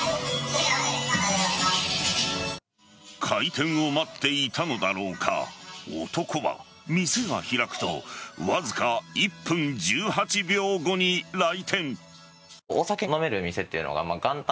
開店を待っていたのだろうか男は店が開くとわずか１分１８秒後に来店。